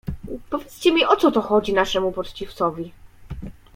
"Powiedzcie mi o co to chodzi naszemu poczciwcowi?"